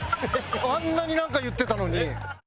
あんなになんか言ってたのに。